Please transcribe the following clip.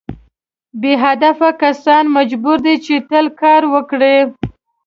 بې هدفه کسان مجبور دي چې تل کار وکړي.